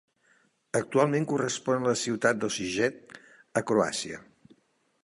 Actualment correspon a la ciutat d'Osijek, a Croàcia.